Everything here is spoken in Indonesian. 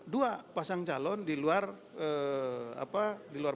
dua pasang calon di luar